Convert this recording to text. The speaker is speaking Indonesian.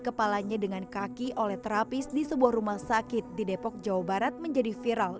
kepalanya dengan kaki oleh terapis di sebuah rumah sakit di depok jawa barat menjadi viral